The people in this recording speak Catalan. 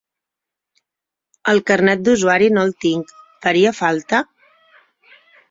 El carnet d'usuari no el tinc, faria falta?